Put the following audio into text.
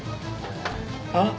あっ！